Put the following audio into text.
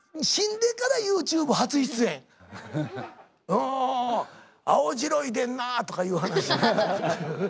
おお青白いでんなとかいう話。